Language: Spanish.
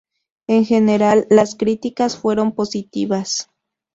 En general, las críticas fueron positivas.